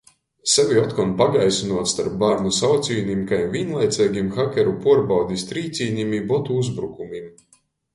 Sevi otkon pagaisynuot storp bārnu saucīnim kai vīnlaiceigim hakeru puorbaudis trīcīnim i botu uzbrukumim.